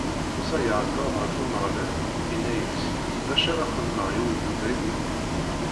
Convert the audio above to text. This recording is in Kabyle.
Musa iɛeggeḍ ɣer Umeɣlal, inna-as: D acu ara xedmeɣ i ugdud-agi?